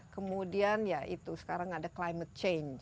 kemudian ya itu sekarang ada climate change